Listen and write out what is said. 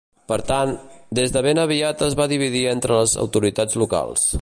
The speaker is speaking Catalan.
Per tant, des de ben aviat es va dividir entre les autoritats locals.